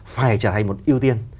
phải trở thành một ưu tiên